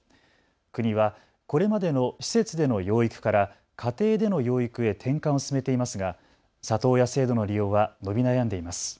国はこれまでの施設での養育から家庭での養育へ転換を進めていますが里親制度の利用は伸び悩んでいます。